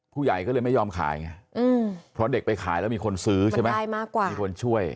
ผู้ใหญ่ก็เลยไม่ยอมขายไงเพราะเด็กไปขายแล้วมีคนซื้อใช่ไหมขายมากกว่ามีคนช่วย